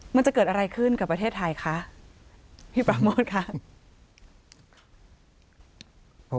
มันจะเกิดอะไรขึ้นกับประเทศไทยคะพี่ปราโมทค่ะ